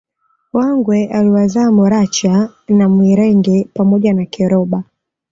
Wangwe aliwazaa Moracha na Mwirege pamoja na Keroba